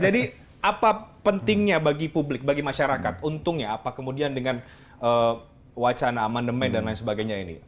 jadi apa pentingnya bagi publik bagi masyarakat untungnya apa kemudian dengan wacana amandemen dan lain sebagainya ini